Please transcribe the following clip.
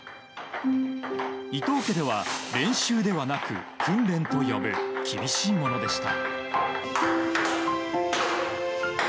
伊藤家では練習ではなく訓練と呼ぶ厳しいものでした。